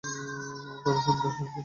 আমার কথা শুনছেন তো?